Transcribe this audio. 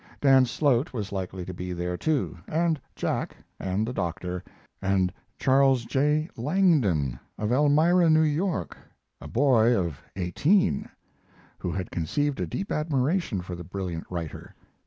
Dan Slote was likely to be there, too, and Jack, and the Doctor, and Charles J. Langdon, of Elmira, New York, a boy of eighteen, who had conceived a deep admiration for the brilliant writer.